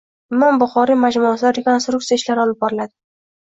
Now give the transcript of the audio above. Imom Buxoriy majmuasida rekonstruksiya ishlari olib boriladi